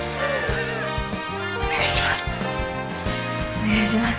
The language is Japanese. お願いします